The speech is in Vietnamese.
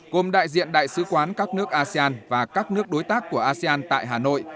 gồm đại diện đại sứ quán các nước asean và các nước đối tác của asean tại hà nội